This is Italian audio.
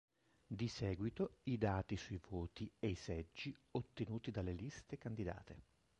Di seguito i dati sui voti e i seggi ottenuti dalle liste candidate.